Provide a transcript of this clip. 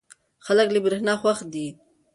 خلک له برېښنا خوښ دي.